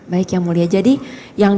baik yang mulia jadi yang